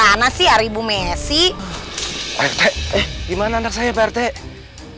aku akan menganggap